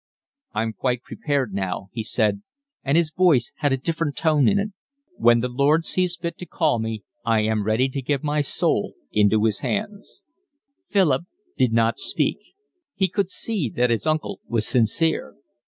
"I'm quite prepared now," he said, and his voice had a different tone in it. "When the Lord sees fit to call me I am ready to give my soul into his hands." Philip did not speak. He could see that his uncle was sincere.